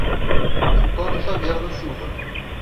Antônio Xavier da Silva